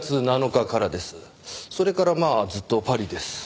それからまあずっとパリです。